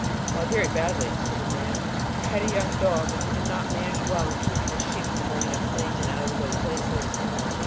"Why, very badly," said the man; "for I had a young dog, and he did not manage well in keeping the sheep from running up lanes and out of the way places."